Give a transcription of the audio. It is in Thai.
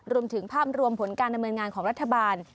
รวมถึงภาพรวมผลการดำเนินงานของรัฐบาล